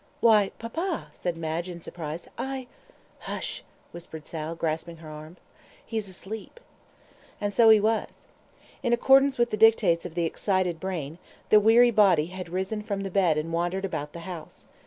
"Why, papa," said Madge, in surprise. "I " "Hush!" whispered Sal, grasping her arms. "He's asleep." And so he was. In accordance with the dictates of the excited brain, the weary body had risen from the bed and wandered about the house.